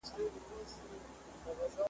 كه دوږخ مو وي مطلب د دې خاكيانو `